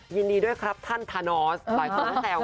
ยินดีด้วยครับท่านทานอสต่อยเขาแสวไง